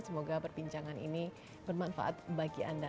semoga perbincangan ini bermanfaat bagi anda